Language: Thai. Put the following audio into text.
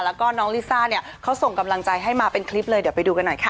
แล้วก็น้องลิซ่าเนี่ยเขาส่งกำลังใจให้มาเป็นคลิปเลยเดี๋ยวไปดูกันหน่อยค่ะ